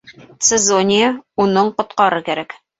Цезония, уның ҡотҡарыр кәрәк.